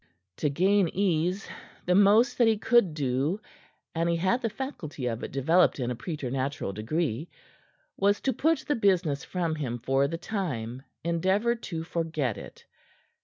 To gain ease, the most that he could do and he had the faculty of it developed in a preternatural degree was to put the business from him for the time, endeavor to forget it.